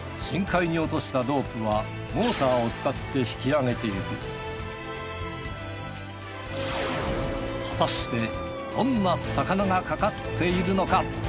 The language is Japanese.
深海に落としたロープはモーターを使って引き上げていく果たしてどんな魚がかかっているのか！？